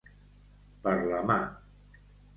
Per la mà.